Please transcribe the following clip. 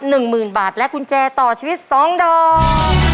หนึ่งหมื่นบาทและกุญแจต่อชีวิตสองดอก